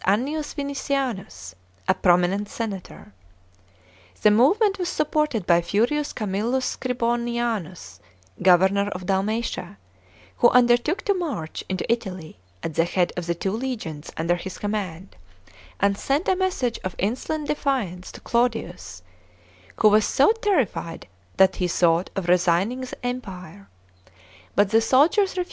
Annius Vinicianus, a promi nent senator. The movement was supported by Furius Camiilus Scribonianus, governor of Dalmatia, who undertook to march into Italy at the head of the two legions under his command, and sent a message of insolent defiance to Claudius, who was so terrified * See below, $ 16.